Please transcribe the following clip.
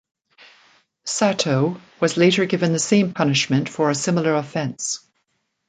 Sato was later given the same punishment for a similar offence.